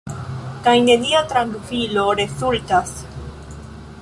Kaj nenia trankvilo rezultas.